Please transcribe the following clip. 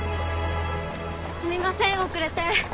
・すみません遅れて。